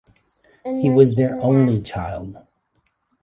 He was their only child.